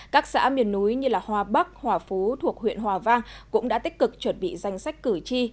các xã miền núi như hoa bắc hoa phú thuộc huyện hoa vang cũng đã tích cực chuẩn bị danh sách cử tri